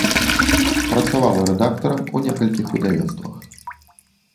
Працавала рэдактарам у некалькіх выдавецтвах.